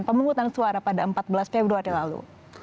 pemungutan suara pada empat belas februari lalu